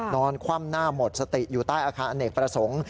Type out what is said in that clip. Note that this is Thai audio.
คว่ำหน้าหมดสติอยู่ใต้อาคารอเนกประสงค์